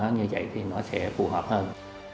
như vậy thì nó sẽ phù hợp hơn